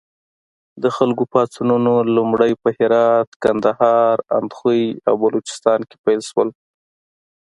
د خلکو پاڅونونه لومړی په هرات، کندهار، اندخوی او بلوچستان کې پیل شول.